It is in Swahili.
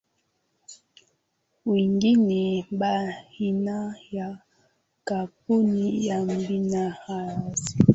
wingine baina ya kampuni ya bima ya accer